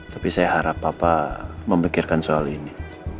tapi saya harap bapak memikirkan soal ini